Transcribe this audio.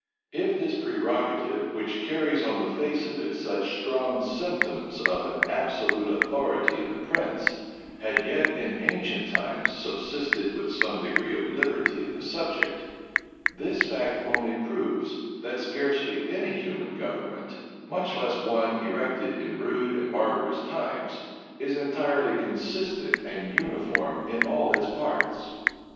If this prerogative, which carries on the face of it such strong symptoms of an absolute authority in the prince, had yet, in ancient times, subsisted with some degree of liberty in the subject, this fact only proves that scarcely any human government, much less one erected in rude and barbarous times, is entirely consistent and uniform in all its parts.